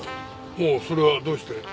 ほうそれはどうして？